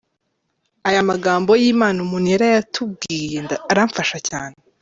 Aya magambo y’Imana umuntu yarayatubwirije aramfasha cyane.